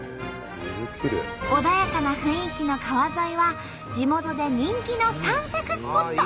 穏やかな雰囲気の川沿いは地元で人気の散策スポット。